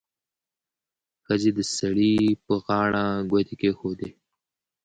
ښځې د سړي پر غاړه ګوتې کېښودې.